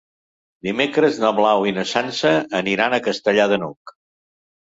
Dimecres na Blau i na Sança aniran a Castellar de n'Hug.